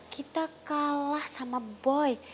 kita kalah sama boy